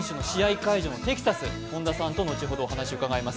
会場のテキサス、本田さんと後ほどお話伺います。